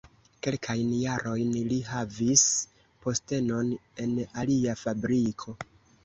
Kelkajn jarojn li havis postenon en alia fabriko.